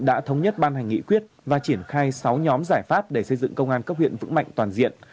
đã thống nhất ban hành nghị quyết và triển khai sáu nhóm giải pháp để xây dựng công an cấp huyện vững mạnh toàn diện